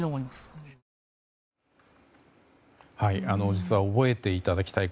実は覚えていただきたい